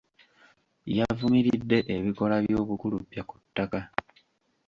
Yavumiridde ebikolwa by’obukuluppya ku ttaka.